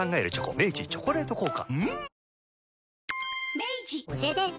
明治「チョコレート効果」